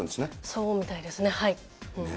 そうみたいですね。